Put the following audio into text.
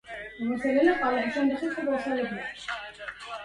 شعرت دانية بالضّغط.